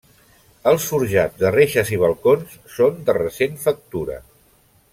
Els forjats de reixes i balcons són de recent factura.